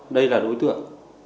đây là đối tượng